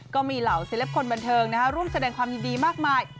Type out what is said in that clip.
ก็มีเหล่าศิลปคนบันเทิงร่วมแสดงความยินดีมากมาย